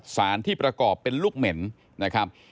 สารที่ประกอบเป็นลูกเหม็นนะครับ